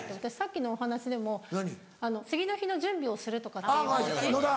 さっきのお話でも次の日の準備をするとかっていう話。